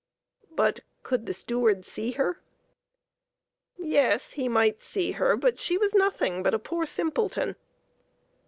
But could the steward see her? Yes, he might see her, but she was nothing but a poor simpleton.